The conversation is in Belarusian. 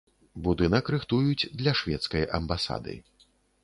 Будынак рыхтуюць для шведскай амбасады.